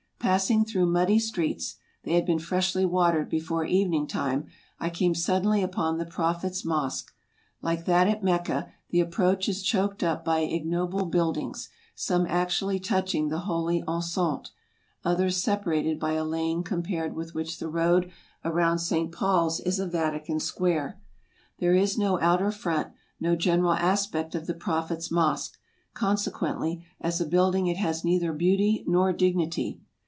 Passing through muddy streets — they had been freshly watered before evening time — I came suddenly upon the Prophet's mosque. Like that at Mecca, the approach is choked up by ignoble buildings, some actually touching the holy enceinte, others separated by a lane compared with which the road around St. Paul's is a Vatican square. There is no outer front, no general aspect of the Prophet's mosque; consequently, as a building it has neither beauty nor dignity.